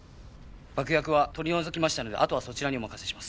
爆薬は取り除きましたのであとはそちらにお任せします。